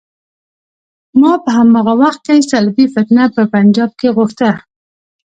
ما په هماغه وخت کې صلیبي فتنه په پنجاب کې غوښته.